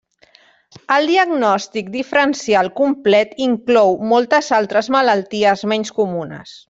El diagnòstic diferencial complet inclou moltes altres malalties menys comunes.